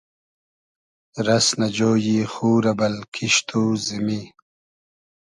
رئس نۂ جۉیی خو رۂ بئل کیشت و زیمی